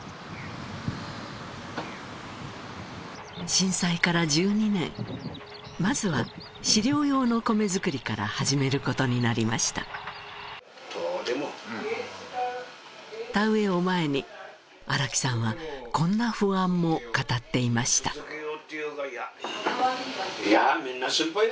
震災から１２年まずは飼料用の米作りから始めることになりました田植えを前に荒木さんはこんな不安も語っていましたあー